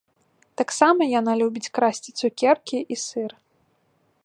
Таксама яна любіць красці цукеркі і сыр.